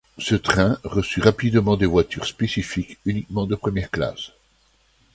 Ce train reçut rapidement des voitures spécifiques, uniquement de première classe.